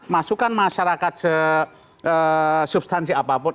masukan masyarakat substansi apapun